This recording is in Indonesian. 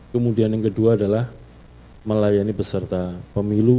kemudian yang kedua adalah melayani peserta pemilu